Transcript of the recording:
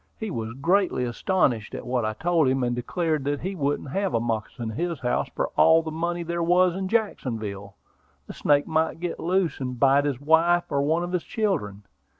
He was greatly astonished at what I told him, and declared that he wouldn't have a moccasin in his house for all the money there was in Jacksonville; the snake might get loose, and bite his wife or one of his children.